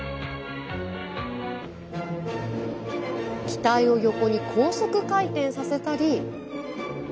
機体を横に高速回転させたり。